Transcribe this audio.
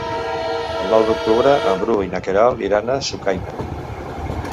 El nou d'octubre en Bru i na Queralt iran a Sucaina.